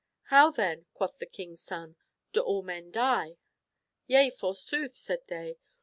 " How, then," quoth the king's son, "do all men die?" " Yea, forsooth," said they.